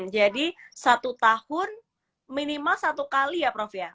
jadi satu tahun minimal satu kali ya prof ya